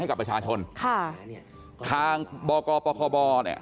ให้กับประชาชนทางบกบ